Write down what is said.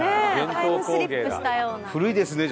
タイムスリップしたような。